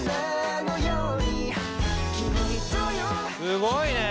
すごいね。